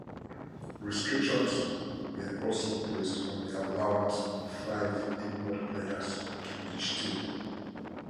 Restrictions were also placed on the allowance of five import players to each team.